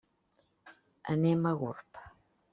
Anem a Gurb.